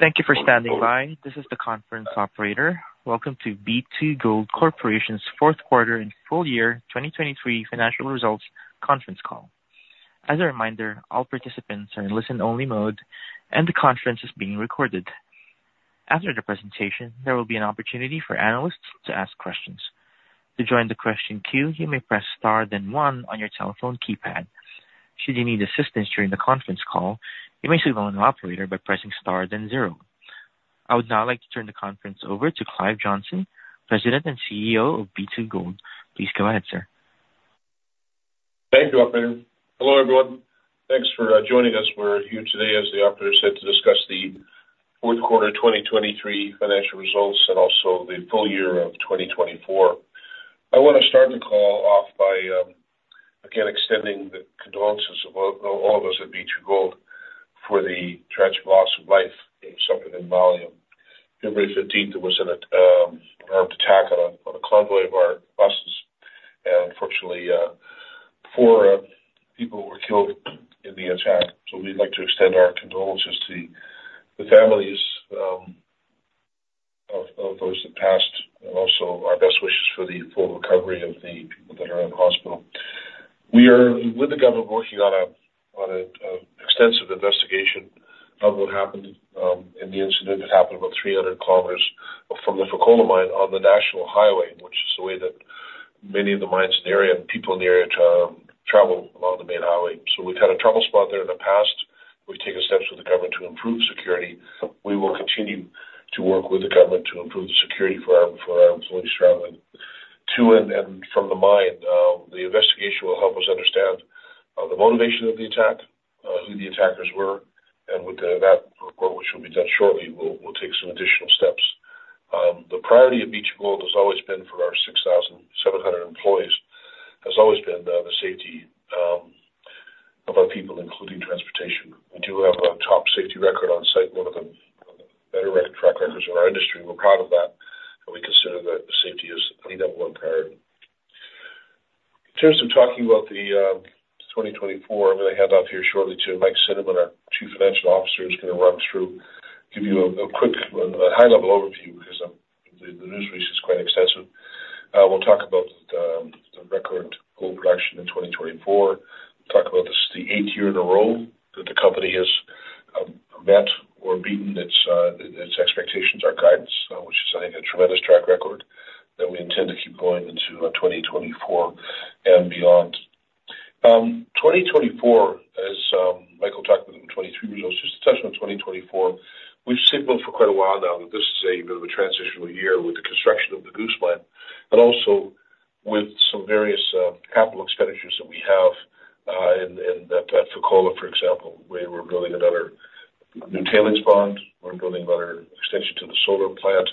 Thank you for standing by. This is the conference operator. Welcome to B2Gold Corporation's fourth quarter and full-year 2023 financial results conference call. As a reminder, all participants are in listen-only mode, and the conference is being recorded. After the presentation, there will be an opportunity for analysts to ask questions. To join the question queue, you may press star then one on your telephone keypad. Should you need assistance during the conference call, you may signal an operator by pressing star then zero. I would now like to turn the conference over to Clive Johnson, President and CEO of B2Gold. Please go ahead, sir. Thank you, operator. Hello, everyone. Thanks for joining us. We're here today, as the operator said, to discuss the fourth quarter 2023 financial results and also the full year of 2024. I want to start the call off by, again, extending the condolences of all of us at B2Gold for the tragic loss of life suffered in Mali. February 15th, there was an armed attack on a convoy of our buses, and unfortunately, four people were killed in the attack. So we'd like to extend our condolences to the families of those that passed, and also our best wishes for the full recovery of the people that are in the hospital. We are with the government working on an extensive investigation of what happened in the incident that happened about 300 kilometers from the Fekola mine on the national highway, which is the way that many of the mines in the area and people in the area travel along the main highway. So we've had a trouble spot there in the past. We've taken steps with the government to improve security. We will continue to work with the government to improve the security for our employees traveling to and from the mine. The investigation will help us understand the motivation of the attack, who the attackers were, and with that report, which will be done shortly, we'll take some additional steps. The priority of B2Gold has always been for our 6,700 employees has always been the safety of our people, including transportation. We do have a top safety record on site, one of the better track records in our industry. We're proud of that, and we consider that safety is a level one priority. In terms of talking about 2024, I'm going to hand off here shortly to Mike Cinnamond, our Chief Financial Officer, who's going to run through, give you a quick, high-level overview because the news release is quite extensive. We'll talk about the record gold production in 2024. We'll talk about this is the eighth year in a row that the company has met or beaten its expectations, our guidance, which is, I think, a tremendous track record that we intend to keep going into 2024 and beyond. 2024, as Michael talked about the 2023 results, just a touch on 2024. We've signaled for quite a while now that this is a bit of a transitional year with the construction of the Goose Plant and also with some various capital expenditures that we have at Fekola, for example, where we're building another new tailings pond. We're building another extension to the solar plant.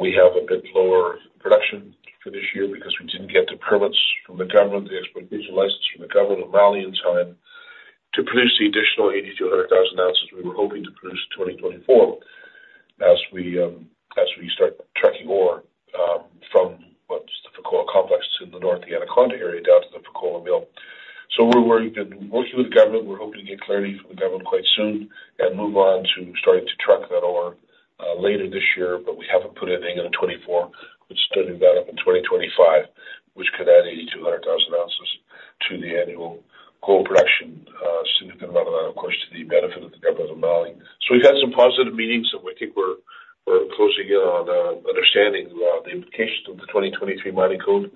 We have a bit lower production for this year because we didn't get the permits from the government, the exploitation license from the government of Mali in time to produce the additional 80,000 to 100,000 ounces we were hoping to produce in 2024 as we start trucking ore from the Fekola Complex in the North Anaconda area down to the Fekola mill. So we've been working with the government. We're hoping to get clarity from the government quite soon and move on to starting to truck that ore later this year, but we haven't put anything in 2024. We're starting that up in 2025, which could add 80,000 to 100,000 ounces to the annual gold production, significant amount of that, of course, to the benefit of the government of Mali. So we've had some positive meetings, and we think we're closing in on understanding the implications of the 2023 Mining Code,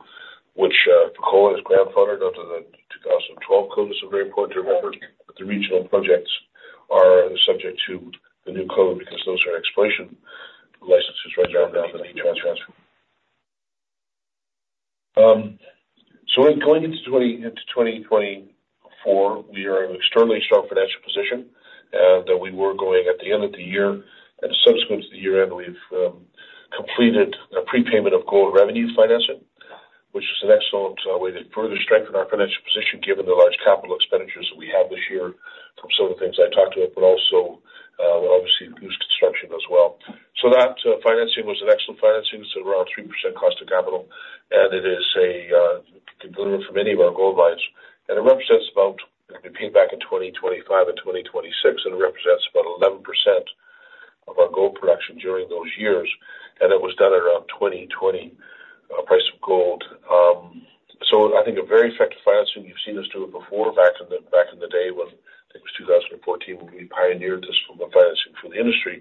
which Fekola is grandfathered under the 2012 Code. It's very important to remember that the regional projects are subject to the new code because those are exploration licenses right now on the need to transfer. So going into 2024, we are in an externally strong financial position, and we were going at the end of the year and subsequent to the year-end, we've completed a prepayment of gold revenue financing, which is an excellent way to further strengthen our financial position given the large capital expenditures that we have this year from some of the things I talked about, but also obviously Goose Construction as well. So that financing was an excellent financing. It's around 3% cost of capital, and it is a collateralized for many of our gold mines, and it represents about it can be paid back in 2025 and 2026, and it represents about 11% of our gold production during those years, and it was done at around 2020 price of gold. So I think a very effective financing. You've seen us do it before back in the day when, I think it was 2014, we pioneered this form of financing for the industry,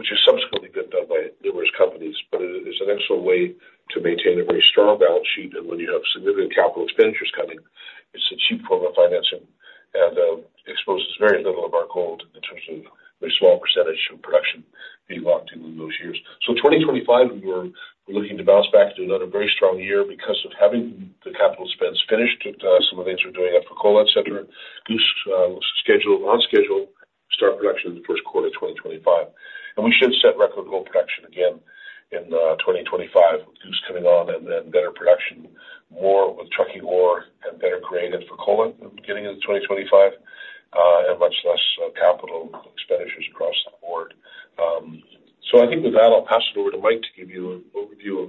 which is subsequently been done by numerous companies, but it is an excellent way to maintain a very strong balance sheet, and when you have significant capital expenditures coming, it's a cheap form of financing and exposes very little of our gold in terms of a small percentage of production being locked in those years. So 2025, we were looking to bounce back into another very strong year because of having the capital spends finished, some of the things we're doing at Fekola, etc. Goose was scheduled, on schedule, start production in the first quarter of 2025, and we should set record gold production again in 2025 with Goose coming on and then better production, more with trucking ore and better grade at Fekola in the beginning of 2025 and much less capital expenditures across the board. So I think with that, I'll pass it over to Mike to give you an overview of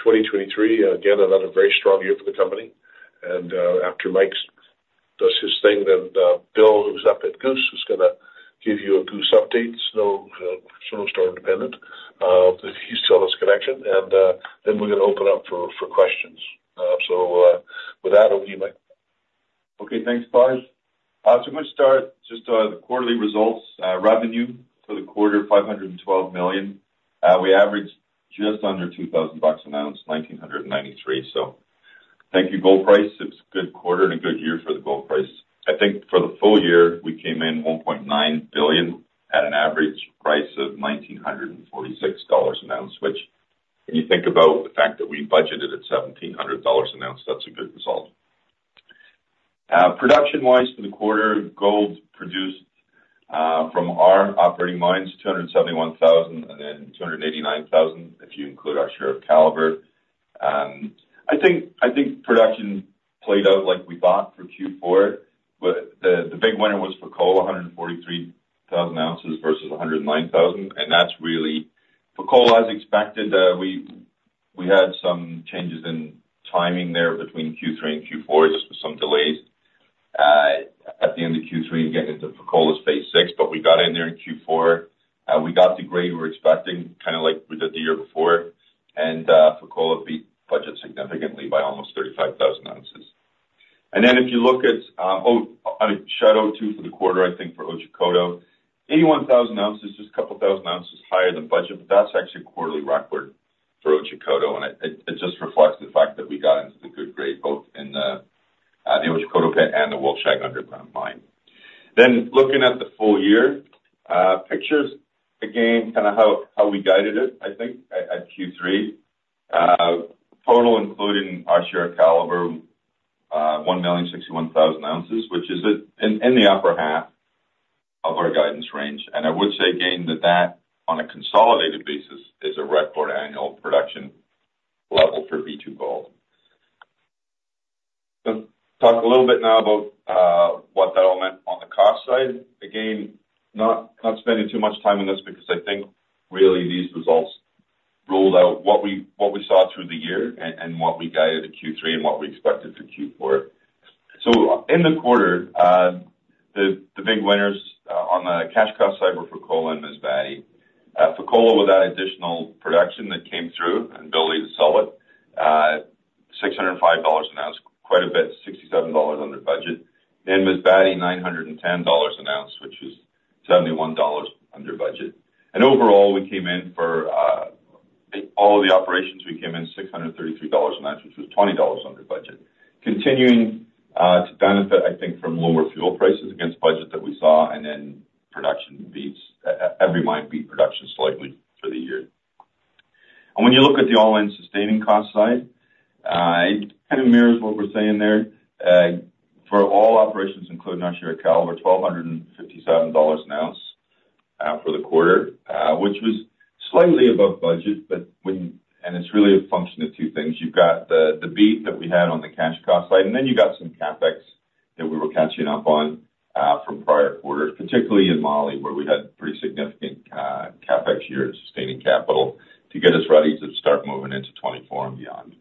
2023. Again, another very strong year for the company, and after Mike does his thing, then Bill, who's up at Goose, is going to give you a Goose update, so Starlink dependent. He's still in this connection, and then we're going to open up for questions. So with that, over to you, Mike. Okay. Thanks, Clive. It's a good start. Just the quarterly results, revenue for the quarter, $512 million. We averaged just under $2,000 an ounce, $1,993. So thank you, gold price. It's a good quarter and a good year for the gold price. I think for the full year, we came in $1.9 billion at an average price of $1,946 an ounce, which when you think about the fact that we budgeted at $1,700 an ounce, that's a good result. Production-wise for the quarter, gold produced from our operating mines, 271,000 and then 289,000 if you include our share of Calibre. I think production played out like we thought for Q4, but the big winner was Fekola, 143,000 ounces versus 109,000, and that's really Fekola as expected. We had some changes in timing there between Q3 and Q4. There were some delays at the end of Q3 getting into Fekola's phase six, but we got in there in Q4. We got the grade we were expecting, kind of like we did the year before, and Fekola beat budget significantly by almost 35,000 ounces. And then if you look at oh, I mean, shout-out too for the quarter, I think, for Otjikoto, 81,000 ounces, just a couple thousand ounces higher than budget, but that's actually a quarterly record for Otjikoto, and it just reflects the fact that we got into the good grade both in the Otjikoto pit and the Wolfshag underground mine. Then looking at the full year figures, again, kind of how we guided it, I think, at Q3, total including our share of Calibre, 1,061,000 ounces, which is in the upper half of our guidance range, and I would say, again, that that on a consolidated basis is a record annual production level for B2Gold. Let's talk a little bit now about what that all meant on the cost side. Again, not spending too much time on this because I think, really, these results ruled out what we saw through the year and what we guided at Q3 and what we expected for Q4. So in the quarter, the big winners on the cash cost side were Fekola and Masbate. Fekola, without additional production that came through and billing to sell it, $605 an ounce, quite a bit, $67 under budget. Then Masbate. Fekola, $910 an ounce, which is $71 under budget. Overall, we came in for all of the operations, we came in $633 an ounce, which was $20 under budget, continuing to benefit, I think, from lower fuel prices against budget that we saw, and then production beats every mine beat production slightly for the year. When you look at the all-in sustaining cost side, it kind of mirrors what we're saying there. For all operations, including our share of Calibre, $1,257 an ounce for the quarter, which was slightly above budget, but when and it's really a function of two things. You've got the beat that we had on the cash cost side, and then you got some CapEx that we were catching up on from prior quarters, particularly in Mali where we had pretty significant CapEx years, sustaining capital to get us ready to start moving into 2024 and beyond.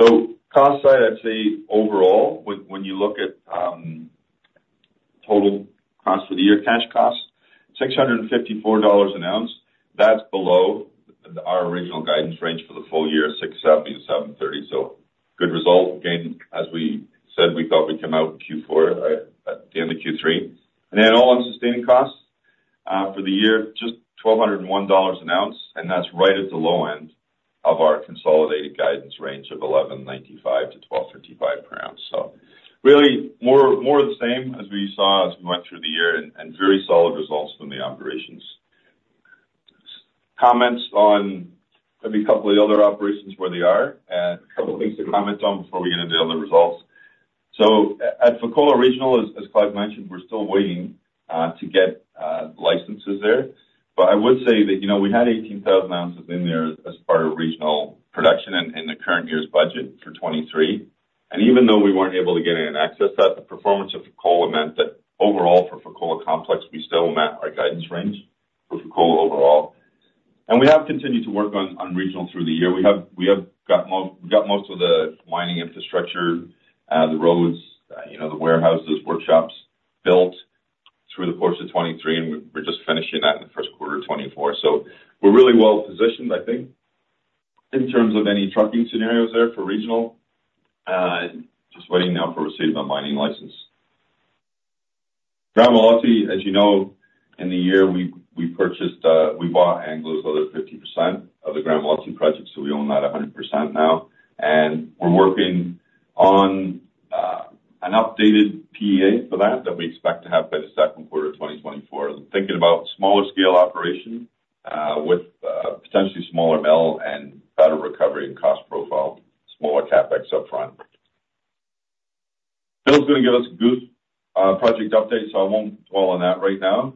So cost side, I'd say, overall, when you look at total cost for the year, cash cost, $654 an ounce, that's below our original guidance range for the full year, $670-$730. So good result. Again, as we said, we thought we'd come out in Q4, at the end of Q3. And then all-in sustaining costs for the year, just $1,201 an ounce, and that's right at the low end of our consolidated guidance range of $1,195-$1,255 per ounce. So really, more of the same as we saw as we went through the year and very solid results from the operations. Comments on maybe a couple of the other operations where they are and a couple of things to comment on before we get into the other results. So at Fekola Regional, as Clive mentioned, we're still waiting to get licenses there, but I would say that we had 18,000 ounces in there as part of regional production in the current year's budget for 2023. And even though we weren't able to get in and access that, the performance of Fekola meant that overall, for Fekola Complex, we still met our guidance range for Fekola overall. And we have continued to work on regional through the year. We have got most of the mining infrastructure, the roads, the warehouses, workshops built through the course of 2023, and we're just finishing that in the first quarter of 2024. So we're really well-positioned, I think, in terms of any trucking scenarios there for regional, just waiting now for receipt of a mining license. Gramalote, as you know, in the year, we bought AngloGold Ashanti other 50% of the Gramalote project, so we own that 100% now. And we're working on an updated PEA for that that we expect to have by the second quarter of 2024, thinking about smaller-scale operation with potentially smaller mill and better recovery and cost profile, smaller CapEx upfront. Bill's going to give us a Goose Project update, so I won't dwell on that right now.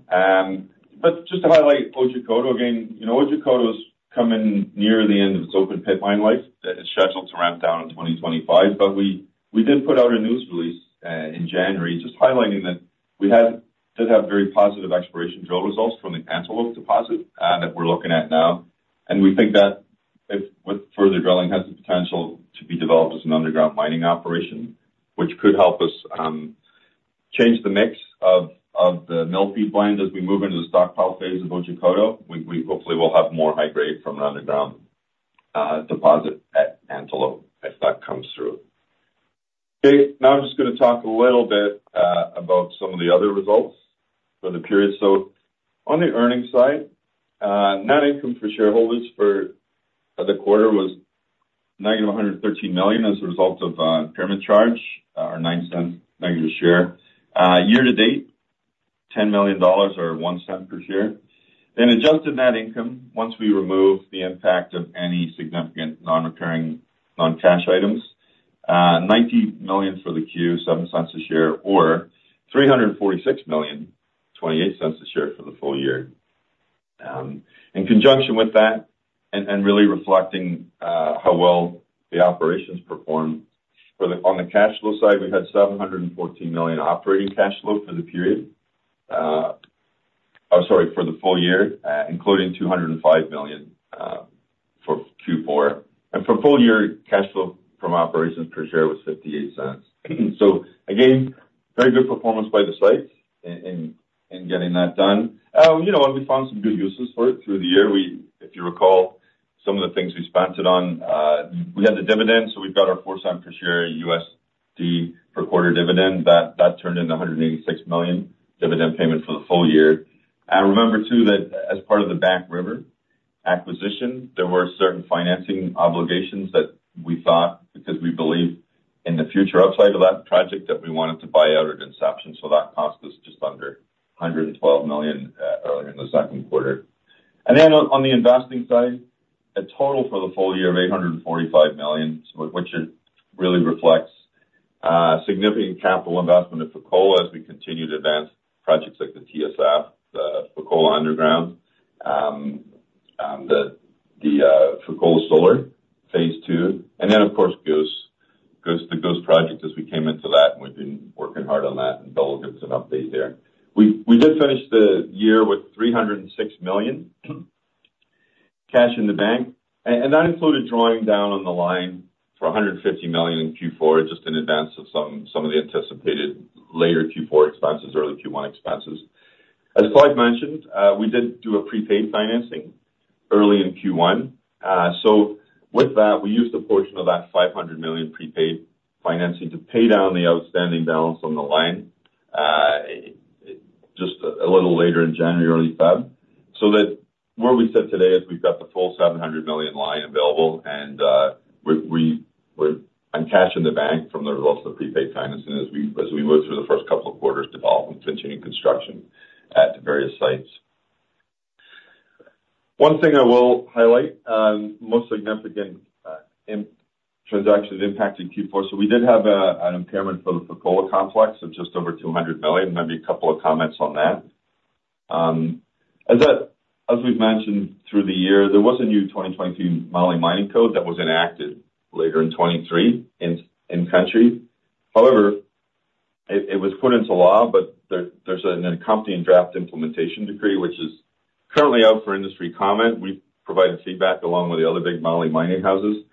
But just to highlight Otjikoto, again, Otjikoto's coming near the end of its open pit mine life. It's scheduled to ramp down in 2025, but we did put out a news release in January just highlighting that we did have very positive exploration drill results from the Antelope deposit that we're looking at now, and we think that with further drilling, it has the potential to be developed as an underground mining operation, which could help us change the mix of the mill feed blend. As we move into the stockpile phase of Otjikoto, hopefully, we'll have more high-grade from an underground deposit at Antelope if that comes through. Okay. Now I'm just going to talk a little bit about some of the other results for the period. So on the earnings side, net income for shareholders for the quarter was negative $113 million as a result of impairment charge or negative $0.09 per share. Year-to-date, $10 million or $0.01 per share. Then adjusted net income once we remove the impact of any significant non-recurring, non-cash items, $90 million for the Q, $0.07 per share, or $346 million, $0.28 per share for the full year. In conjunction with that and really reflecting how well the operations performed on the cash flow side, we had $714 million operating cash flow for the period or sorry, for the full year, including $205 million for Q4. And for full year, cash flow from operations per share was $0.58. So again, very good performance by the sites in getting that done. And we found some good uses for it through the year. If you recall some of the things we sponsored on, we had the dividend, so we've got our $0.04 per share USD per quarter dividend. That turned into $186 million dividend payment for the full year. Remember too that as part of the Back River acquisition, there were certain financing obligations that we thought because we believed in the future upside of that project that we wanted to buy out at assumption, so that cost was just under $112 million earlier in the second quarter. Then on the investing side, a total for the full year of $845 million, which really reflects significant capital investment in Fekola as we continue to advance projects like the TSF, the Fekola Underground, the Fekola solar phase two, and then, of course, Goose, the Goose Project as we came into that, and we've been working hard on that, and Bill will give us an update there. We did finish the year with $306 million cash in the bank, and that included drawing down on the line for $150 million in Q4 just in advance of some of the anticipated later Q4 expenses, early Q1 expenses. As Clive mentioned, we did do a prepaid financing early in Q1. So with that, we used a portion of that $500 million prepaid financing to pay down the outstanding balance on the line just a little later in January, early February, so that where we sit today is we've got the full $700 million line available, and we're on cash in the bank from the results of the prepaid financing as we work through the first couple of quarters developing continuing construction at various sites. One thing I will highlight, most significant transactions impacting Q4, so we did have an impairment for the Fekola Complex of just over $200 million. Maybe a couple of comments on that. As we've mentioned through the year, there was a new 2023 Mali Mining Code that was enacted later in 2023 in country. However, it was put into law, but there's an accompanying draft implementation decree, which is currently out for industry comment. We've provided feedback along with the other big Mali mining houses.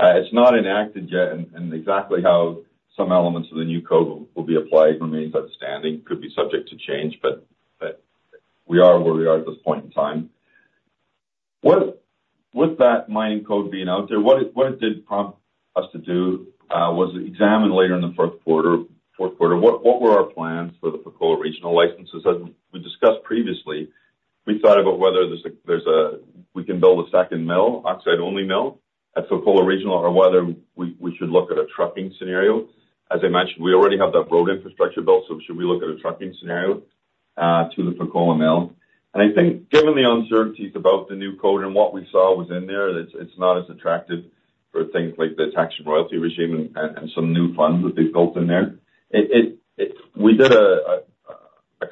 It's not enacted yet, and exactly how some elements of the new code will be applied remains outstanding, could be subject to change, but we are where we are at this point in time. With that mining code being out there, what it did prompt us to do was examine, later in the fourth quarter, what were our plans for the Fekola Regional licenses. As we discussed previously, we thought about whether we can build a second mill, oxide-only mill at Fekola Regional, or whether we should look at a trucking scenario. As I mentioned, we already have that road infrastructure built, so should we look at a trucking scenario to the Fekola mill? And I think given the uncertainties about the new code and what we saw was in there, it's not as attractive for things like the tax and royalty regime and some new funds that they've built in there. We did a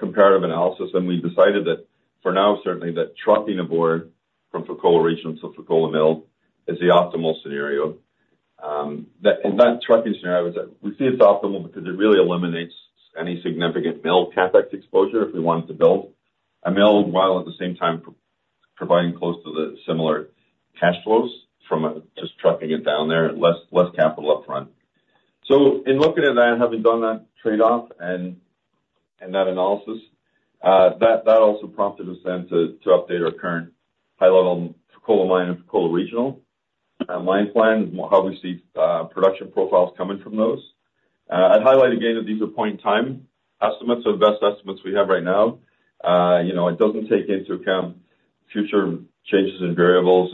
comparative analysis, and we decided that for now, certainly, that trucking ore from Fekola Regional to Fekola mill is the optimal scenario. In that trucking scenario, we see it's optimal because it really eliminates any significant mill CapEx exposure if we wanted to build a mill while at the same time providing close to the similar cash flows from just trucking it down there, less capital upfront. So in looking at that, having done that trade-off and that analysis, that also prompted us then to update our current high-level Fekola mine and Fekola Regional mine plan and how we see production profiles coming from those. I'd highlight, again, that these are point-in-time estimates, so best estimates we have right now. It doesn't take into account future changes in variables,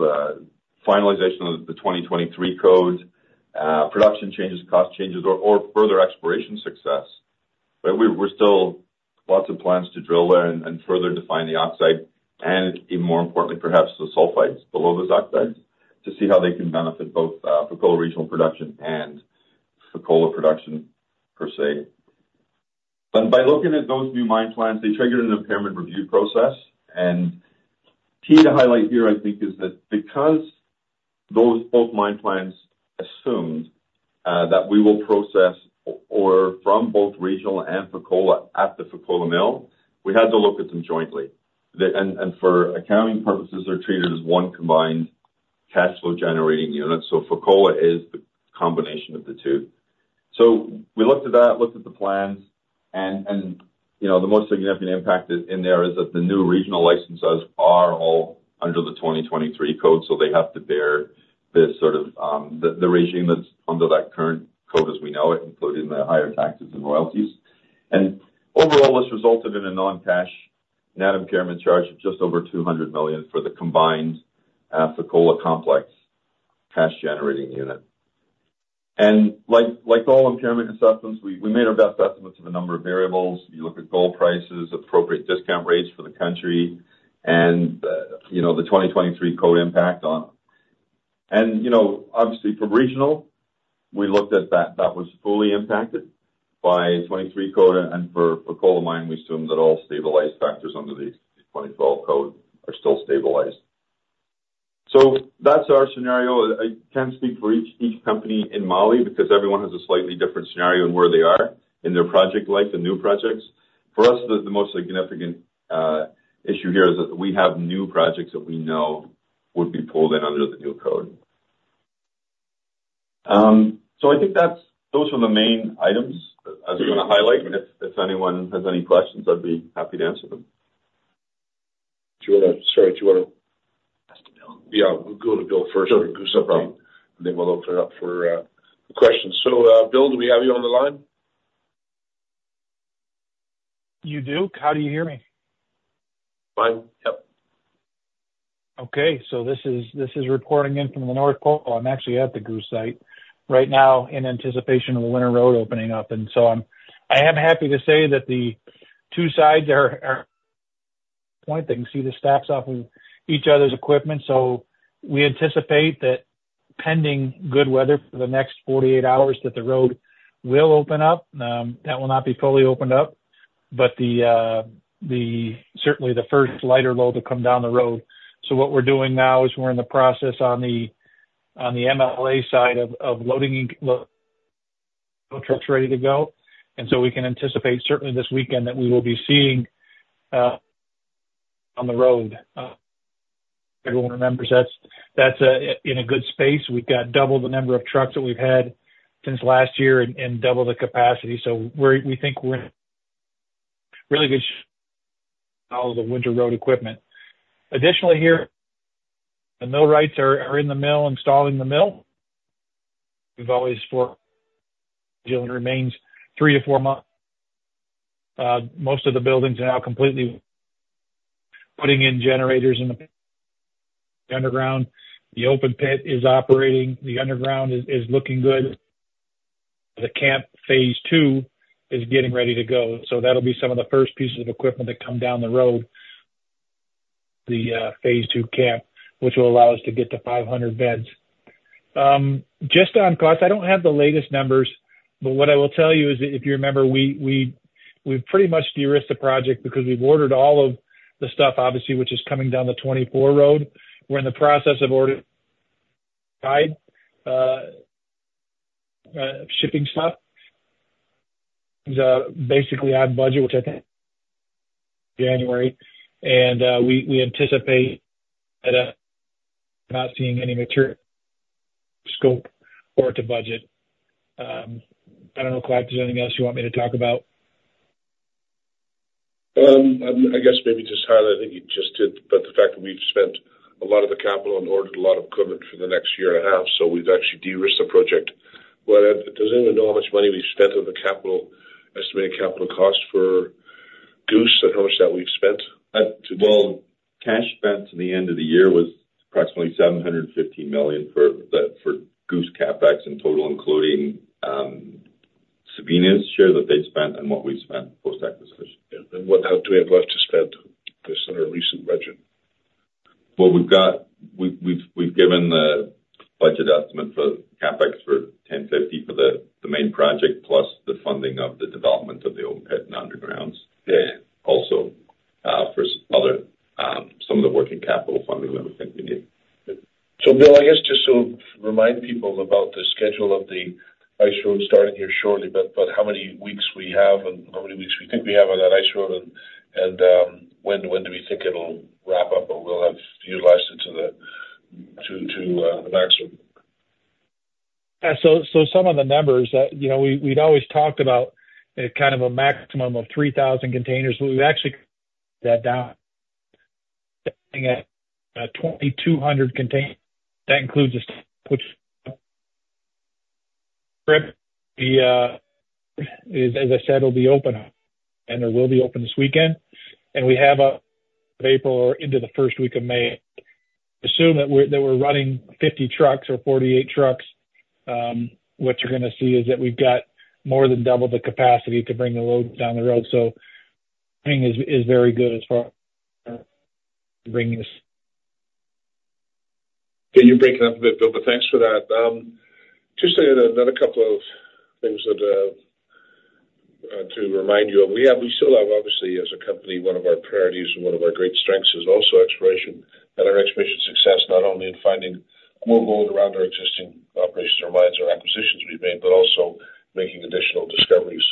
finalization of the 2023 Code, production changes, cost changes, or further exploration success, but we're still lots of plans to drill there and further define the oxide and, even more importantly, perhaps the sulfides below those oxides to see how they can benefit both Fekola Regional production and Fekola production per se. And by looking at those new mine plans, they triggered an impairment review process. And key to highlight here, I think, is that because both mine plans assumed that we will process from both regional and Fekola at the Fekola mill, we had to look at them jointly. And for accounting purposes, they're treated as one combined cash flow-generating unit. So Fekola is the combination of the two. So we looked at that, looked at the plans, and the most significant impact in there is that the new regional licenses are all under the 2023 Code, so they have to bear this sort of the regime that's under that current code as we know it, including the higher taxes and royalties. And overall, this resulted in a non-cash net impairment charge of just over $200 million for the combined Fekola Complex cash-generating unit. And like all impairment assessments, we made our best estimates of a number of variables. You look at gold prices, appropriate discount rates for the country, and the 2023 Code impact on. And obviously, for regional, we looked at that that was fully impacted by 2023 code, and for Fekola Mine, we assume that all stabilized factors under the 2012 code are still stabilized. So that's our scenario. I can't speak for each company in Mali because everyone has a slightly different scenario and where they are in their project life and new projects. For us, the most significant issue here is that we have new projects that we know would be pulled in under the new code. So I think those are the main items I was going to highlight. If anyone has any questions, I'd be happy to answer them. Do you want to? Sorry, do you want to? Ask to Bill. Yeah. We'll go to Bill first for Goose update, and then we'll open it up for questions. So Bill, do we have you on the line? You do. How do you hear me? Fine. Yep. Okay. So this is reporting in from the North Pole. I'm actually at the Goose site right now in anticipation of the winter road opening up. And so I am happy to say that the two sides are pointing. See the stacks off of each other's equipment? So we anticipate that pending good weather for the next 48 hours, that the road will open up. That will not be fully opened up, but certainly, the first lighter load will come down the road. So what we're doing now is we're in the process on the MLA side of loading trucks ready to go. And so we can anticipate, certainly, this weekend that we will be seeing on the road. Everyone remembers that's in a good space. We've got double the number of trucks that we've had since last year and double the capacity. So we think we're in really good shape with all of the winter road equipment. Additionally here, the millwrights are in the mill installing the mill. We've always foreseen it remains three to four months. Most of the buildings are now completely putting in generators in the underground. The open pit is operating. The underground is looking good. The camp phase two is getting ready to go. So that'll be some of the first pieces of equipment that come down the road, the phase two camp, which will allow us to get to 500 beds. Just on cost, I don't have the latest numbers, but what I will tell you is that if you remember, we've pretty much de-risked the project because we've ordered all of the stuff, obviously, which is coming down the 2024 road. We're in the process of ordering shipping stuff. It's basically on budget, which I think January. We anticipate not seeing any mature scope or to budget. I don't know, Clive, there's anything else you want me to talk about? I guess maybe just highlight that you just did, but the fact that we've spent a lot of the capital and ordered a lot of equipment for the next year and a half, so we've actually de-risked the project. Does anyone know how much money we've spent on the estimated capital cost for Goose and how much that we've spent? Well, cash spent to the end of the year was approximately $715 million for Goose CapEx in total, including Sabina's share that they spent and what we've spent post-acquisition. Yeah. How do we have left to spend based on our recent budget? Well, we've given the budget estimate for CapEx for $1,050 for the main project plus the funding of the development of the open pit and undergrounds also for some of the working capital funding that we think we need. Bill, I guess just to remind people about the schedule of the ice road starting here shortly, but how many weeks we have and how many weeks we think we have on that ice road, and when do we think it'll wrap up or we'll have utilized it to the maximum? Yeah. So some of the numbers, we'd always talked about kind of a maximum of 3,000 containers, but we've actually cut that down to 2,200 containers. That includes us putting up the strip. As I said, it'll be open, and it will be open this weekend. And we have April or into the first week of May. Assume that we're running 50 trucks or 48 trucks. What you're going to see is that we've got more than double the capacity to bring the load down the road. So timing is very good as far as bringing this. Yeah. You're breaking up a bit, Bill, but thanks for that. Just another couple of things to remind you of. We still have, obviously, as a company, one of our priorities and one of our great strengths is also exploration and our exploration success, not only in finding more gold around our existing operations or mines or acquisitions we've made, but also making additional discoveries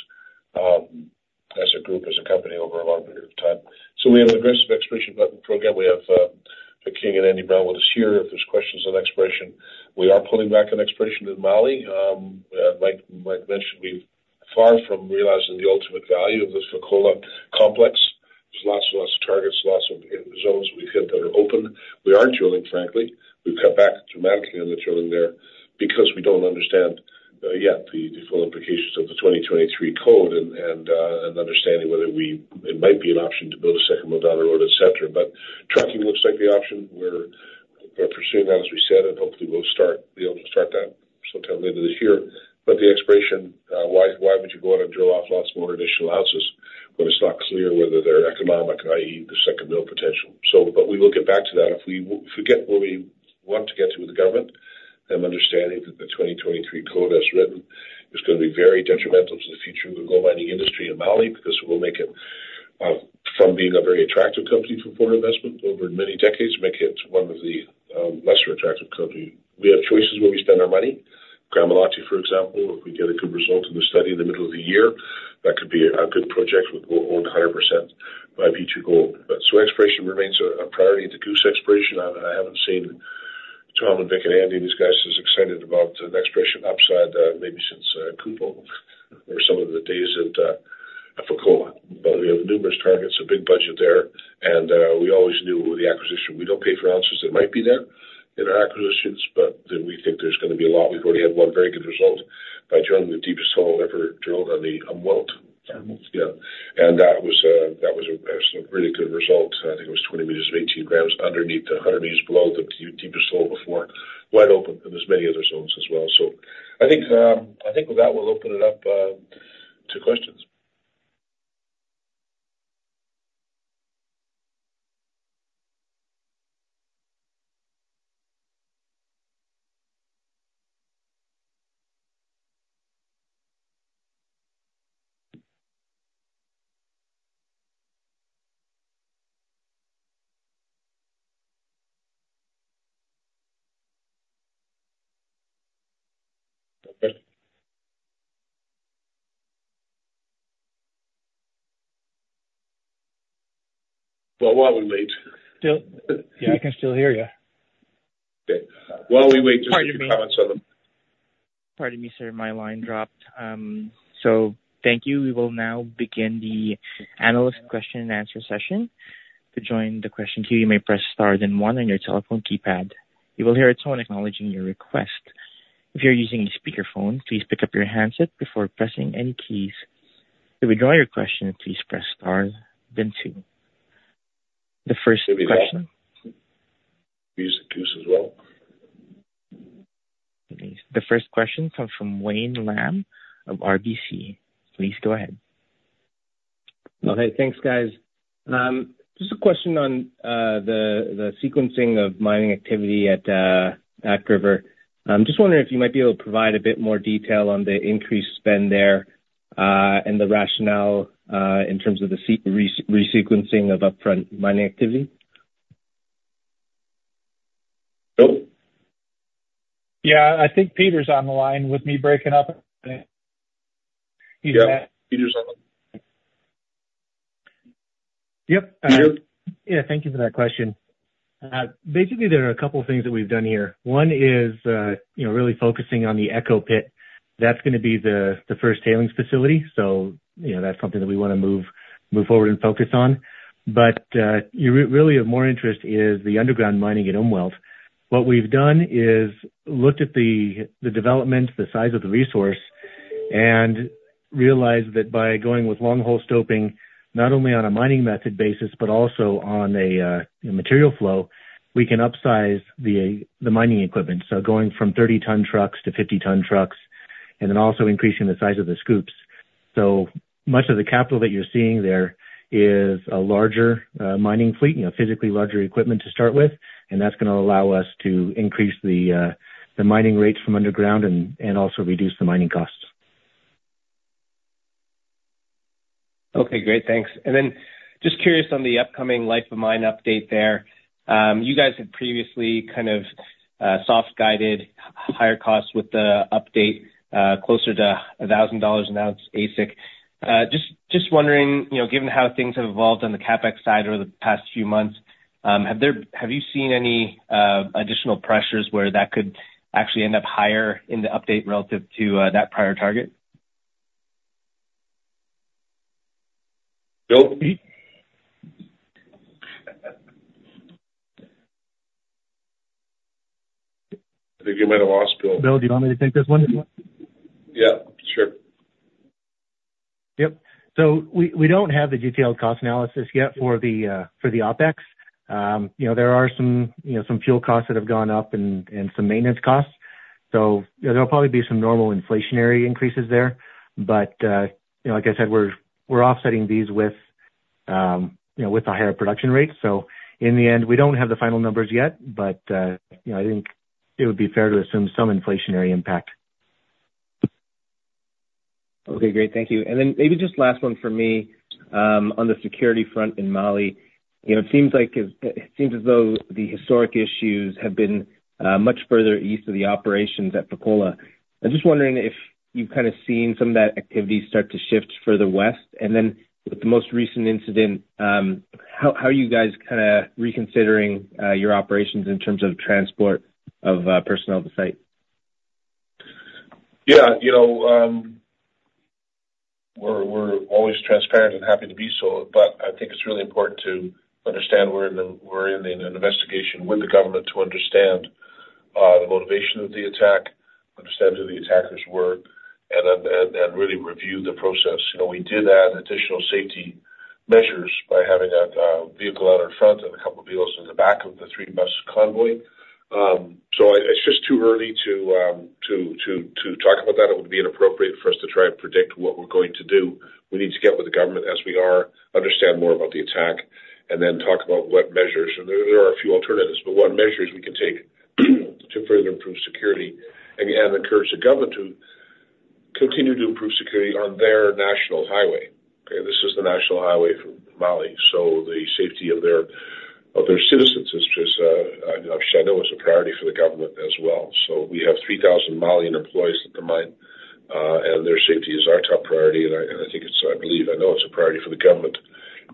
as a group, as a company, over a long period of time. So we have an aggressive exploration budget program. We have Clive Johnson and Andy Brown with us here if there's questions on exploration. We are pulling back on exploration in Mali. Like mentioned, we're far from realizing the ultimate value of this Fekola Complex. There's lots and lots of targets, lots of zones we've hit that are open. We aren't drilling, frankly. We've cut back dramatically on the drilling there because we don't understand yet the full implications of the 2023 code and understanding whether it might be an option to build a second mill down the road, etc. But trucking looks like the option. We're pursuing that, as we said, and hopefully, we'll be able to start that sometime later this year. But the exploration, why would you go out and drill off lots more additional ounces when it's not clear whether they're economic, i.e., the second mill potential? But we will get back to that. If we get where we want to get to with the government and understanding that the 2023 code, as written, is going to be very detrimental to the future of the gold mining industry in Mali because it will make it from being a very attractive company for foreign investment over many decades, make it one of the lesser attractive companies. We have choices where we spend our money. Gramalote, for example, if we get a good result in the study in the middle of the year, that could be a good project with more gold, 100%, by future gold. So exploration remains a priority to Goose exploration. I haven't seen Tom and Vic and Andy, these guys, as excited about an exploration upside maybe since Kupol or some of the days at Fekola. But we have numerous targets, a big budget there, and we always knew with the acquisition, we don't pay for ounces that might be there in our acquisitions, but then we think there's going to be a lot. We've already had one very good result by drilling the deepest hole ever drilled on the Umwelt. Yeah. And that was a really good result. I think it was 20 meters of 18 grams underneath the 100 meters below the deepest hole before, wide open, and there's many other zones as well. So I think with that, we'll open it up to questions. Well, while we wait. Yeah. I can still hear you. Okay. While we wait, just a few comments on the. Pardon me, sir. My line dropped. So thank you. We will now begin the analyst question-and-answer session. To join the question queue, you may press star then one on your telephone keypad. You will hear a tone acknowledging your request. If you're using a speakerphone, please pick up your handset before pressing any keys. To withdraw your question, please press star then two. The first question. We use Goose as well? The first question comes from Wayne Lam of RBC. Please go ahead. Hey. Thanks, guys. Just a question on the sequencing of mining activity at Back River. I'm just wondering if you might be able to provide a bit more detail on the increased spend there and the rationale in terms of the resequencing of upfront mining activity. Nope. Yeah. I think Peter's on the line with me breaking up. He's back. Yeah. Peter's on the line. Yep. Peter? Yeah. Thank you for that question. Basically, there are a couple of things that we've done here. One is really focusing on the Echo Pit. That's going to be the first tailings facility. So that's something that we want to move forward and focus on. But really, of more interest is the underground mining at Umwelt. What we've done is looked at the development, the size of the resource, and realized that by going with long-hole stoping, not only on a mining method basis but also on a material flow, we can upsize the mining equipment. So going from 30-ton trucks to 50-ton trucks and then also increasing the size of the scoops. So much of the capital that you're seeing there is a larger mining fleet, physically larger equipment to start with, and that's going to allow us to increase the mining rates from underground and also reduce the mining costs. Okay. Great. Thanks. And then just curious on the upcoming Life of Mine update there. You guys had previously kind of soft-guided higher costs with the update closer to $1,000 an ounce AISC. Just wondering, given how things have evolved on the CapEx side over the past few months, have you seen any additional pressures where that could actually end up higher in the update relative to that prior target? Nope. I think you might have lost, Bill. Bill, do you want me to take this one? Yeah. Sure. Yep. So we don't have the detailed cost analysis yet for the OpEx. There are some fuel costs that have gone up and some maintenance costs. So there'll probably be some normal inflationary increases there. But like I said, we're offsetting these with the higher production rates. So in the end, we don't have the final numbers yet, but I think it would be fair to assume some inflationary impact. Okay. Great. Thank you. And then maybe just last one for me on the security front in Mali. It seems as though the historic issues have been much further east of the operations at Fekola. I'm just wondering if you've kind of seen some of that activity start to shift further west. And then with the most recent incident, how are you guys kind of reconsidering your operations in terms of transport of personnel to site? Yeah. We're always transparent and happy to be so, but I think it's really important to understand we're in an investigation with the government to understand the motivation of the attack, understand who the attackers were, and really review the process. We did add additional safety measures by having a vehicle out in front and a couple of vehicles in the back of the three-bus convoy. So it's just too early to talk about that. It would be inappropriate for us to try and predict what we're going to do. We need to get with the government as we are, understand more about the attack, and then talk about what measures. And there are a few alternatives, but one measure is we can take to further improve security and encourage the government to continue to improve security on their national highway. Okay? This is the national highway for Mali. So the safety of their citizens is, I know, it's a priority for the government as well. So we have 3,000 Malian employees at the mine, and their safety is our top priority. And I think it's, I believe, I know, it's a priority for the government,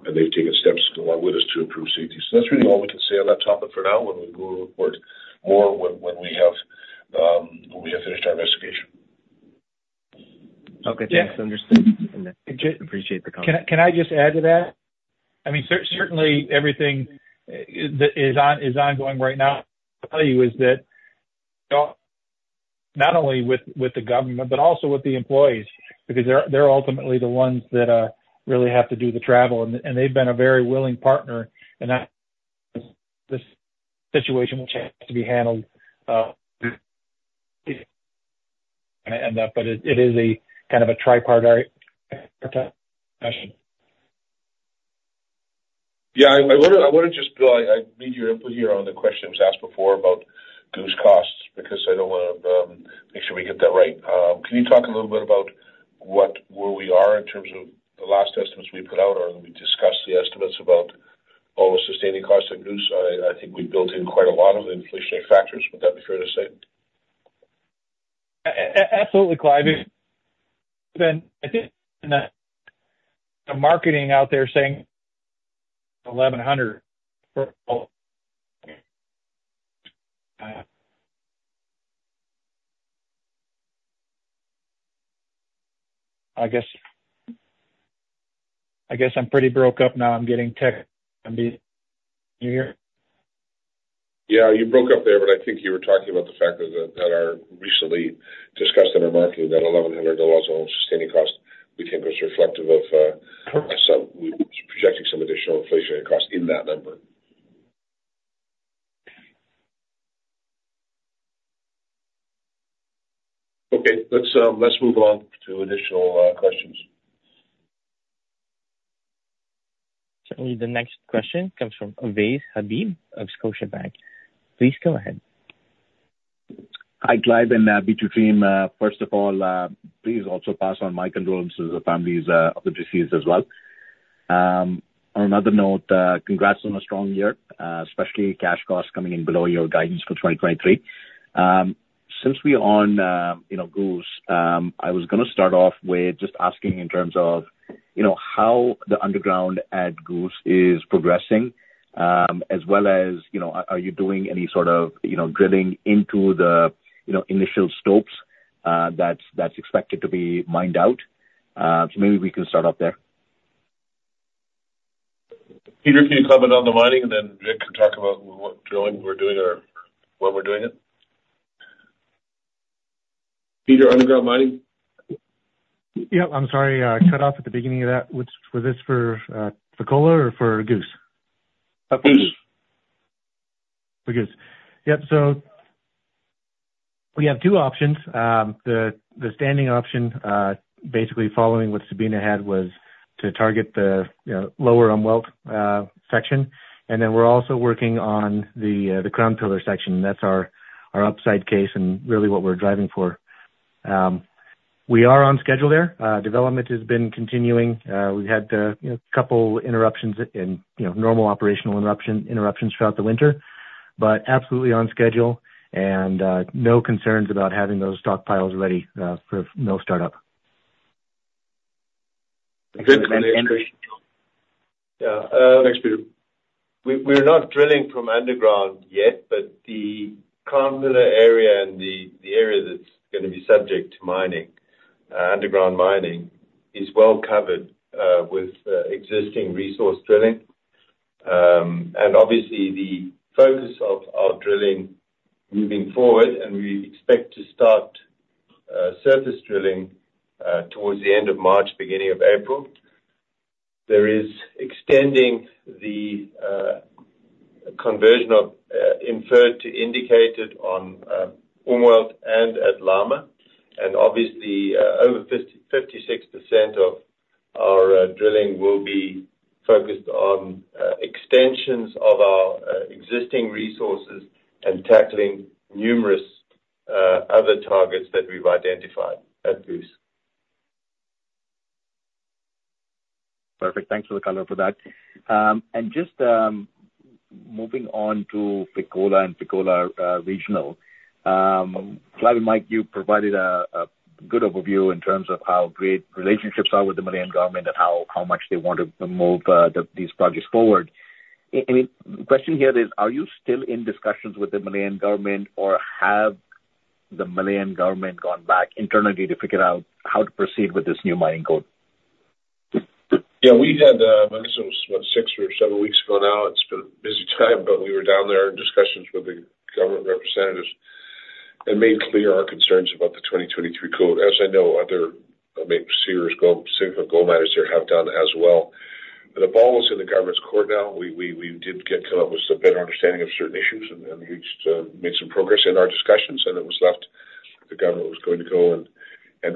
and they've taken steps along with us to improve safety. So that's really all we can say on that topic for now when we go report more when we have finished our investigation. Okay. Thanks. Understood. Appreciate the comment. Can I just add to that? I mean, certainly, everything that is ongoing right now, I'll tell you, is that not only with the government but also with the employees because they're ultimately the ones that really have to do the travel. They've been a very willing partner. This situation, which has to be handled, is going to end up, but it is kind of a tripartite question. Yeah. I want to just Bill, I need your input here on the question that was asked before about Goose costs because I don't want to make sure we get that right. Can you talk a little bit about where we are in terms of the last estimates we put out or that we discussed the estimates about all the sustaining costs of Goose? I think we built in quite a lot of the inflationary factors. Would that be fair to say? Absolutely, Clive. I think the marketing out there saying 1,100 for all. I guess I'm pretty broken up now. I'm getting tech. You hear? Yeah. You broke up there, but I think you were talking about the fact that I recently discussed in our marketing that $1,100 on sustaining costs, we think, was reflective of projecting some additional inflationary costs in that number. Okay. Let's move on to additional questions. Certainly, the next question comes from Ovais Habib of Scotiabank. Please go ahead. Hi, Clive and B2G. First of all, please also pass on my condolences to the families of the deceased as well. On another note, congrats on a strong year, especially cash costs coming in below your guidance for 2023. Since we're on Goose, I was going to start off with just asking in terms of how the underground at Goose is progressing as well as are you doing any sort of drilling into the initial stopes that's expected to be mined out? So maybe we can start off there. Peter, can you comment on the mining, and then Vic can talk about what drilling we're doing or when we're doing it? Peter, underground mining? Yep. I'm sorry. I cut off at the beginning of that. Was this for Fekola or for Goose? For Goose. For Goose. Yep. So we have two options. The standing option, basically following what Sabina had, was to target the lower Umwelt section. And then we're also working on the Crown Pillar section. That's our upside case and really what we're driving for. We are on schedule there. Development has been continuing. We've had a couple of interruptions and normal operational interruptions throughout the winter but absolutely on schedule and no concerns about having those stockpiles ready for no startup. Good. And Andrew. Yeah. Thanks, Peter. We're not drilling from underground yet, but the Crown Pillar area and the area that's going to be subject to underground mining is well covered with existing resource drilling. And obviously, the focus of our drilling moving forward, and we expect to start surface drilling towards the end of March, beginning of April, there is extending the conversion of inferred to indicated on Umwelt and at Llama. And obviously, over 56% of our drilling will be focused on extensions of our existing resources and tackling numerous other targets that we've identified at Goose. Perfect. Thanks for the comment for that. And just moving on to Fekola and Fekola Regional, Clive and Mike, you provided a good overview in terms of how great relationships are with the Malian government and how much they want to move these projects forward. I mean, the question here is, are you still in discussions with the Malian government, or have the Malian government gone back internally to figure out how to proceed with this new Mining Code? Yeah. I guess it was, what, six or seven weeks ago now. It's been a busy time, but we were down there in discussions with the government representatives and made clear our concerns about the 2023 code. As I know, other significant gold miners there have done as well. But the ball is in the government's court now. We did come up with a better understanding of certain issues and made some progress in our discussions. And it was left the government was going to go and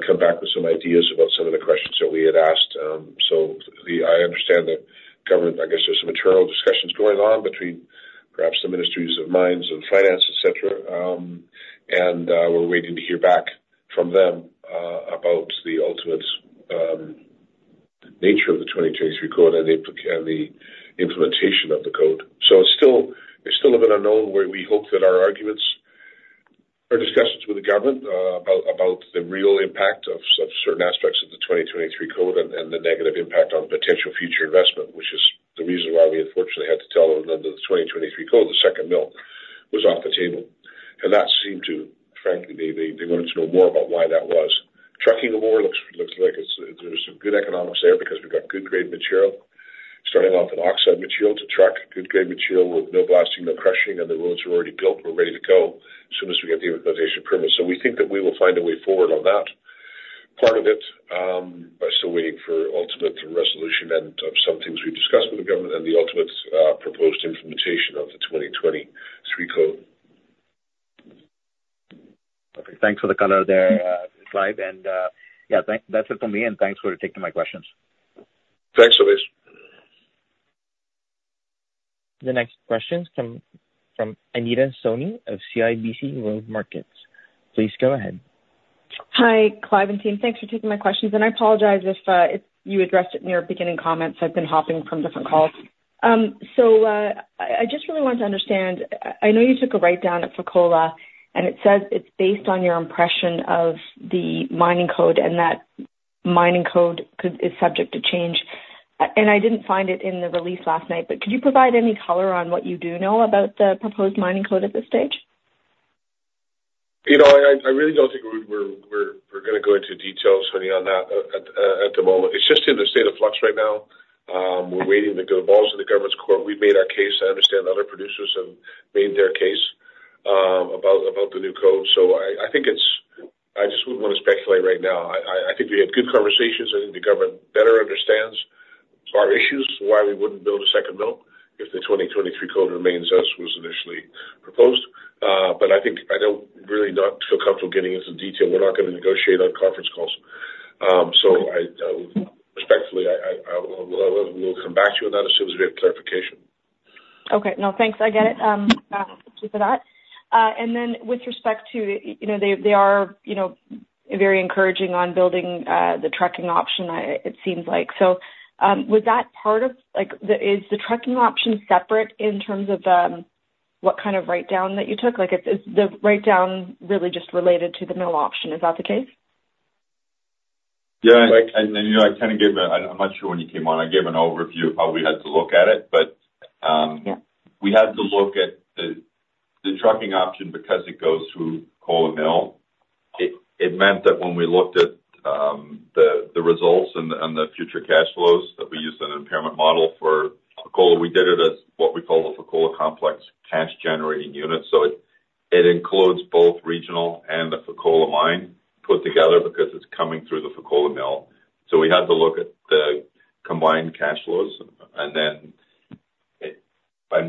come back with some ideas about some of the questions that we had asked. So I understand the government I guess there's some internal discussions going on between perhaps the ministries of mines and finance, etc. And we're waiting to hear back from them about the ultimate nature of the 2023 code and the implementation of the code. So, it's still a bit unknown where we hope that our arguments or discussions with the government about the real impact of certain aspects of the 2023 code and the negative impact on potential future investment, which is the reason why we, unfortunately, had to tell them under the 2023 code, the second mill was off the table. And that seemed to, frankly, they wanted to know more about why that was. Trucking more looks like there's some good economics there because we've got good-grade material starting off an oxide material to truck, good-grade material with no blasting, no crushing, and the roads are already built. We're ready to go as soon as we get the implementation permit. So, we think that we will find a way forward on that part of it. We're still waiting for ultimate resolution and some things we've discussed with the government and the ultimate proposed implementation of the 2023 Code. Perfect. Thanks for the comment there, Clive. Yeah, that's it from me. Thanks for taking my questions. Thanks, Avaz. The next question comes from Anita Soni of CIBC World Markets. Please go ahead. Hi, Clive and team. Thanks for taking my questions. I apologize if you addressed it in your beginning comments. I've been hopping from different calls. I just really wanted to understand. I know you took a write-down at Fekola, and it says it's based on your impression of the mining code and that mining code is subject to change. I didn't find it in the release last night, but could you provide any color on what you do know about the proposed mining code at this stage? I really don't think we're going to go into detail, Sonia, on that at the moment. It's just in the state of flux right now. We're waiting to get the ball's in the government's court. We've made our case. I understand other producers have made their case about the new code. So I think I just wouldn't want to speculate right now. I think we had good conversations. I think the government better understands our issues, why we wouldn't build a second mill if the 2023 code remains as was initially proposed. But I don't really feel comfortable getting into the detail. We're not going to negotiate on conference calls. So respectfully, we'll come back to you on that as soon as we have clarification. Okay. No, thanks. I get it. Thank you for that. And then, with respect to, they are very encouraging on building the trucking option, it seems like. So, was that part of? Is the trucking option separate in terms of what kind of write-down that you took? Is the write-down really just related to the mill option? Is that the case? Yeah. I kind of gave a. I'm not sure when you came on. I gave an overview of how we had to look at it. But we had to look at the trucking option because it goes through Fekola Mill. It meant that when we looked at the results and the future cash flows that we used an impairment model for Fekola, we did it as what we call the Fekola Complex Cash Generating Unit. So it includes both regional and the Fekola mine put together because it's coming through the Fekola Mill. So we had to look at the combined cash flows and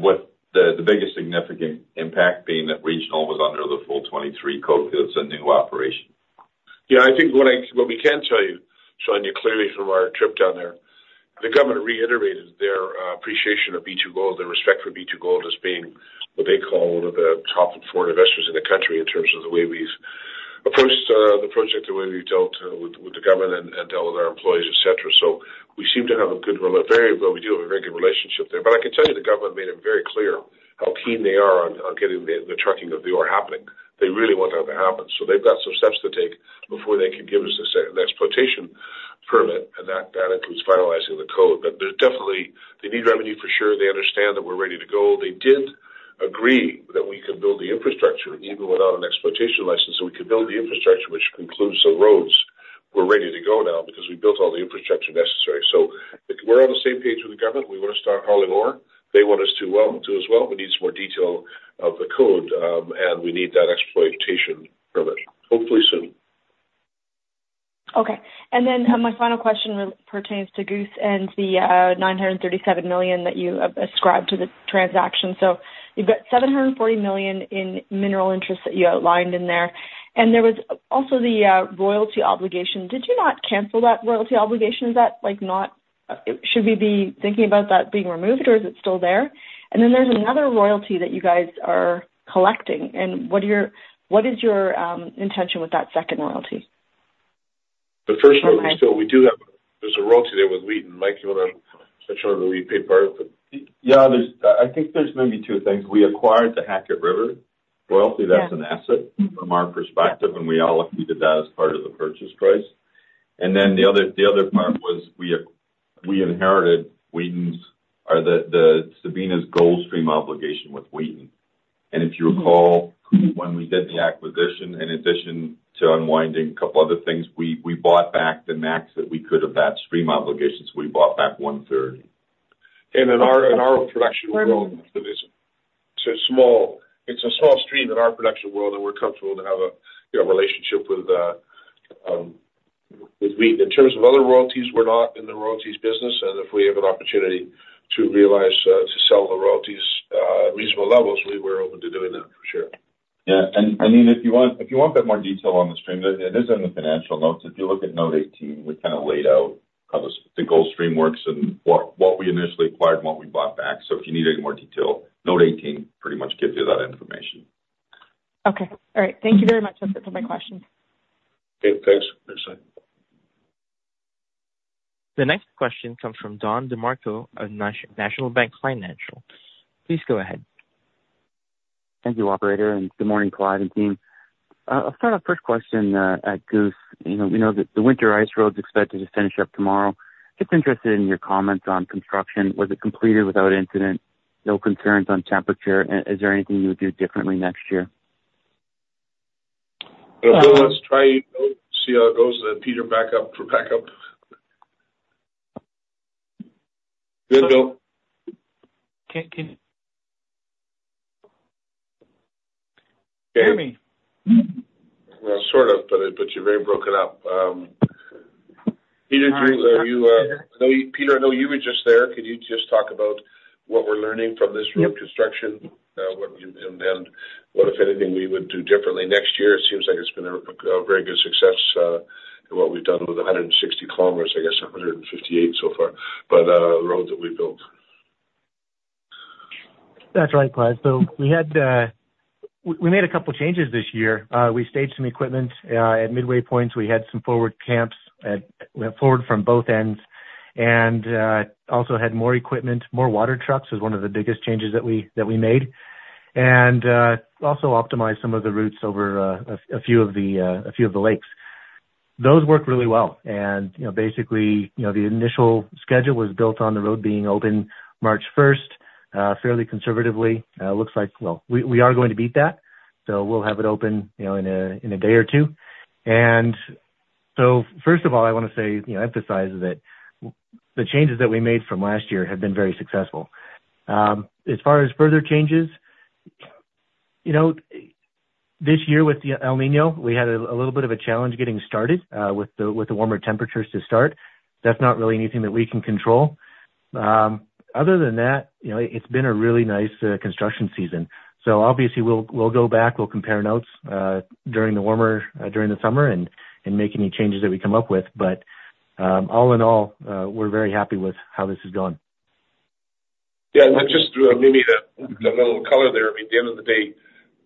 with the biggest significant impact being that regional was under the full 2023 Code because it's a new operation. Yeah. I think what we can tell you, Soni, clearly from our trip down there, the government reiterated their appreciation of B2Gold, their respect for B2Gold as being what they call one of the top and forward investors in the country in terms of the way we've approached the project, the way we've dealt with the government and dealt with our employees, etc. So we seem to have a good, well, we do have a very good relationship there. But I can tell you the government made it very clear how keen they are on getting the trucking of the ore happening. They really want that to happen. So they've got some steps to take before they can give us an exploitation permit. And that includes finalizing the code. But they need revenue for sure. They understand that we're ready to go. They did agree that we could build the infrastructure even without an Exploitation License. So we could build the infrastructure, which includes the roads. We're ready to go now because we built all the infrastructure necessary. So we're on the same page with the government. We want to start hauling ore. They want us to do as well. But we need some more detail of the code, and we need that Exploitation Permit, hopefully soon. Okay. And then my final question pertains to Goose and the $937 million that you ascribed to the transaction. So you've got $740 million in mineral interest that you outlined in there. And there was also the royalty obligation. Did you not cancel that royalty obligation? Is that not should we be thinking about that being removed, or is it still there? And then there's another royalty that you guys are collecting. And what is your intention with that second royalty? The first royalty still. We do have. There's a royalty there with Wheaton. And Mike, you want to touch on the Wheaton paid part? Yeah. I think there's maybe two things. We acquired the Hackett River royalty. That's an asset from our perspective, and we allocated that as part of the purchase price. And then the other part was we inherited Sabina's gold stream obligation with Wheaton. And if you recall, when we did the acquisition, in addition to unwinding a couple of other things, we bought back the max that we could of that stream obligation. So we bought back one-third. And in our production world, it's a small stream in our production world, and we're comfortable to have a relationship with Wheaton. In terms of other royalties, we're not in the royalties business. And if we have an opportunity to realize to sell the royalties at reasonable levels, we were open to doing that for sure. Yeah. And I mean, if you want that more detail on the stream, it is in the financial notes. If you look at note 18, we kind of laid out how the Gold Stream works and what we initially acquired and what we bought back. So if you need any more detail, note 18 pretty much gives you that information. Okay. All right. Thank you very much. That's it for my questions. Okay. Thanks, Soni. The next question comes from Don DeMarco of National Bank Financial. Please go ahead. Thank you, operator. Good morning, Clive and team. I'll start off first question at Goose. We know that the winter ice roads expect to just finish up tomorrow. Just interested in your comments on construction. Was it completed without incident? No concerns on temperature. Is there anything you would do differently next year? Bill, let's try to see how it goes. Let Peter back up for backup. Good, Bill. Can you hear me? Well, sort of, but you're very broken up. Peter, I know you were just there. Could you just talk about what we're learning from this road construction and what, if anything, we would do differently next year? It seems like it's been a very good success in what we've done with 160 kilometers, I guess 158 so far, but the road that we built. That's right, Clive. So we made a couple of changes this year. We staged some equipment at midway points. We had some forward camps forward from both ends and also had more equipment. More water trucks was one of the biggest changes that we made and also optimized some of the routes over a few of the lakes. Those worked really well. And basically, the initial schedule was built on the road being opened March 1st fairly conservatively. Well, we are going to beat that, so we'll have it open in a day or two. And so first of all, I want to emphasize that the changes that we made from last year have been very successful. As far as further changes, this year with El Niño, we had a little bit of a challenge getting started with the warmer temperatures to start. That's not really anything that we can control. Other than that, it's been a really nice construction season. Obviously, we'll go back. We'll compare notes during the summer and make any changes that we come up with. All in all, we're very happy with how this has gone. Yeah. That just gave me the little color there. I mean, at the end of the day,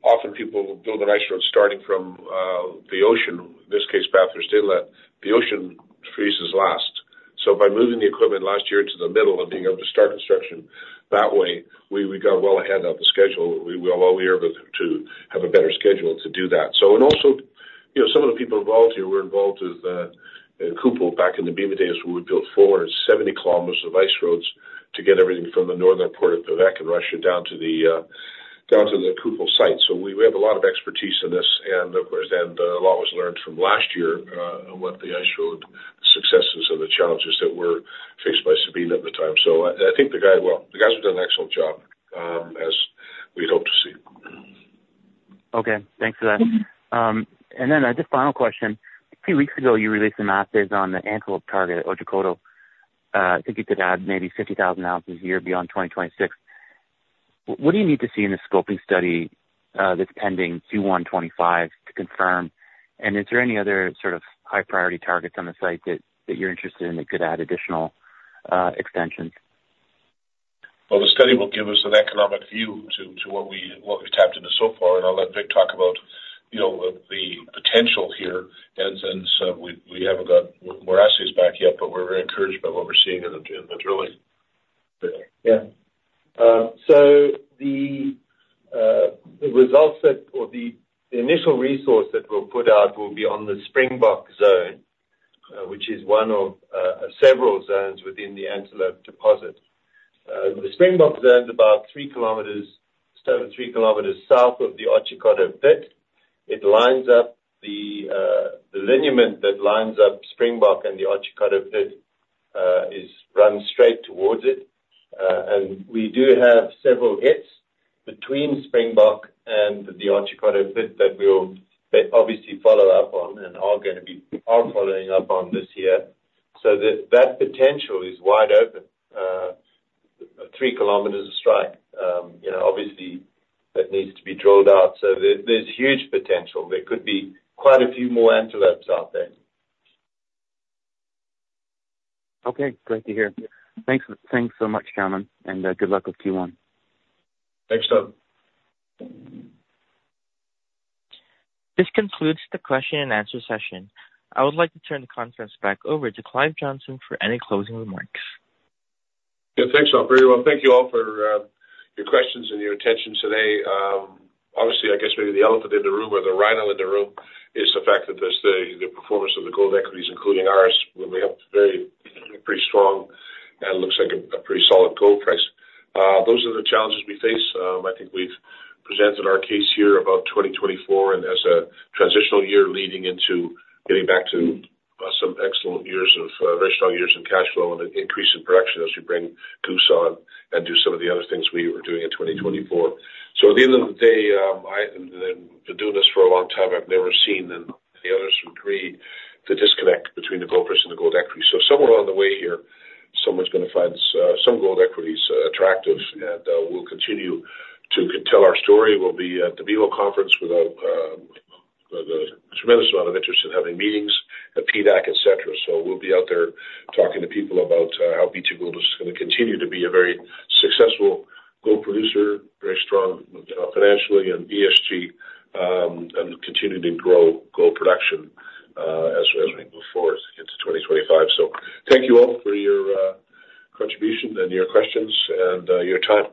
often, people build an ice road starting from the ocean. In this case, Bathurst Inlet. The ocean freezes last. So by moving the equipment last year to the middle and being able to start construction that way, we got well ahead of the schedule. We were all here to have a better schedule to do that. And also, some of the people involved here, we're involved with Kupol back in the Bema days when we built 470 km of ice roads to get everything from the northern port of Pevek in Russia down to the Kupol site. So we have a lot of expertise in this. Of course, then a lot was learned from last year on what the ice road successes and the challenges that were faced by Sabina at the time. I think well, the guys have done an excellent job as we'd hoped to see. Okay. Thanks for that. Then just final question. A few weeks ago, you released some assays on the Antelope target at Otjikoto. I think you could add maybe 50,000 ounces a year beyond 2026. What do you need to see in the scoping study that's pending Q1 2025 to confirm? And is there any other sort of high-priority targets on the site that you're interested in that could add additional extensions? Well, the study will give us an economic view to what we've tapped into so far. I'll let Vic talk about the potential here. We haven't got more assays back yet, but we're very encouraged by what we're seeing in the drilling. Yeah. So the results or the initial resource that we'll put out will be on the Springbok Zone, which is one of several zones within the Antelope deposit. The Springbok Zone's about three kilometers south of the Otjikoto pit. It lines up the lineament that lines up Springbok and the Otjikoto pit runs straight towards it. And we do have several hits between Springbok and the Otjikoto pit that we'll obviously follow up on and are going to be following up on this year. So that potential is wide open, three kilometers of strike. Obviously, that needs to be drilled out. So there's huge potential. There could be quite a few more antelopes out there. Okay. Great to hear. Thanks so much, Cameron, and good luck with Q1. Thanks, Tom. This concludes the question-and-answer session. I would like to turn the conference back over to Clive Johnson for any closing remarks. Yeah. Thanks, Tom. Very well. Thank you all for your questions and your attention today. Obviously, I guess maybe the elephant in the room or the rhino in the room is the fact that the performance of the gold equities, including ours, when we have a pretty strong and looks like a pretty solid gold price. Those are the challenges we face. I think we've presented our case here about 2024 and as a transitional year leading into getting back to some excellent years of very strong years in cash flow and an increase in production as we bring Goose on and do some of the other things we were doing in 2024. So at the end of the day, I've been doing this for a long time. I've never seen any others agree the disconnect between the gold price and the gold equity. So somewhere along the way here, someone's going to find some gold equities attractive. We'll continue to tell our story. We'll be at the BMO conference with a tremendous amount of interest in having meetings at PDAC, etc. We'll be out there talking to people about how B2Gold is going to continue to be a very successful gold producer, very strong financially and ESG, and continue to grow gold production as we move forward into 2025. Thank you all for your contribution and your questions and your time.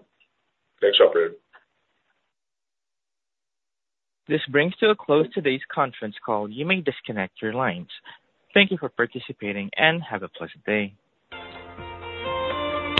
Thanks, operator. This brings to a close today's conference call. You may disconnect your lines. Thank you for participating, and have a pleasant day.